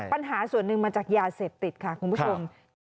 ปัญหาส่วนหนึ่งมาจากยาเสพติดค่ะคุณผู้ชม